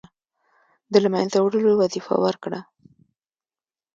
د له منځه وړلو وظیفه ورکړه.